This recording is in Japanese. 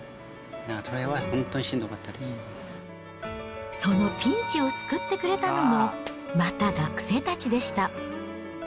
だからそれは本当にしんどかったそのピンチを救ってくれたのも、また学生たちでした。